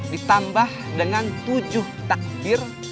ditambah dengan tujuh takdir